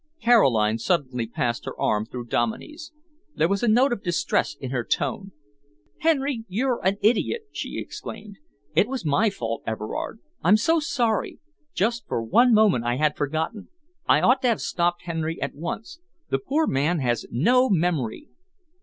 Caroline suddenly passed her arm through Dominey's. There was a note of distress in her tone. "Henry, you're an idiot!" she exclaimed. "It was my fault, Everard. I'm so sorry. Just for one moment I had forgotten. I ought to have stopped Henry at once. The poor man has no memory."